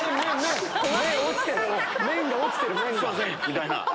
みたいな。